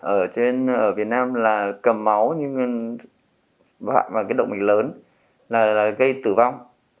ở việt nam là cầm máu hoặc là cái động mạch lớn là gây tử vong